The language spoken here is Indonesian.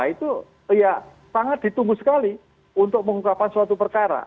itu ya sangat ditunggu sekali untuk mengungkapkan suatu perkara